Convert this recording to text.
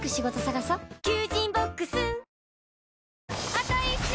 あと１周！